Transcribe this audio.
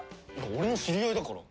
俺の知り合いだから。